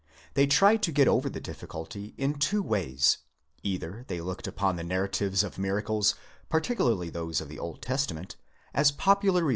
They tried to get over the difficulty in two ways,—either they looked upon the narratives of miracles, particu larly those of the Old Testament, as popular reli INTRODUCTION.